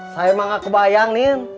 saya mah gak kebayang nin